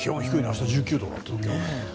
明日、１９度だって東京。